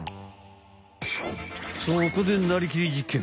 そこでなりきり実験！